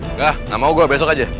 enggak gak mau gue besok aja ya